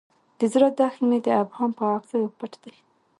د زړه دښت مې د ابهام په اغزیو پټ دی.